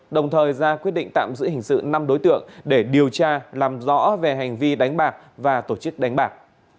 đồng thời ra quyết định tạm giữ hình sự năm đối tượng để điều tra làm rõ về hành vi đánh bạc và tổ chức đánh bạc